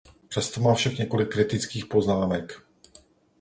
Přesto mám však několik kritických poznámek.